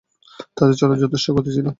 তাদের চলায় যথেষ্ট গতি ছিল।